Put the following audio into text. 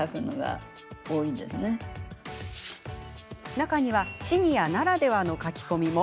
中にはシニアならではの書き込みも。